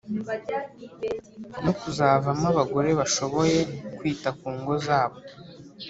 no kuzavamo abagore bashoboye kwita ku ngo zabo.